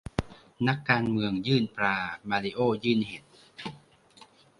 นักการเมืองยื่นปลา มาริโอ้ยื่นเห็ด ?